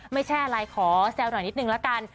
ไม่ใช่อะไรขอแซวหน่อยนิดนึงละกัน